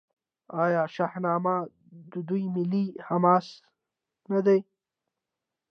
آیا شاهنامه د دوی ملي حماسه نه ده؟